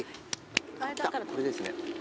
来たこれですね。